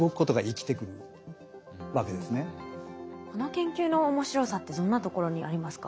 だからこの研究の面白さってどんなところにありますか？